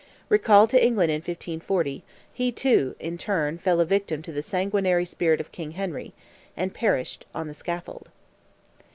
Recalled to England in 1540, he, too, in turn, fell a victim to the sanguinary spirit of King Henry, and perished on the scaffold.